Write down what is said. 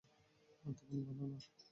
তেমন ভালো না।